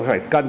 vì phải cần